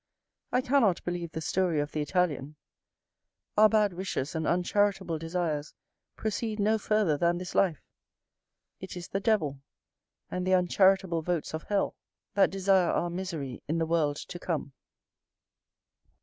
I cannot believe the story of the Italian; our bad wishes and uncharitable desires proceed no further than this life; it is the devil, and the uncharitable votes of hell, that desire our misery in the world to come.